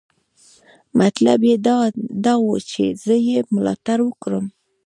مطلب یې دا و چې زه یې ملاتړ وکړم.